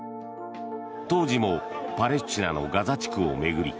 当時もパレスチナのガザ地区を巡り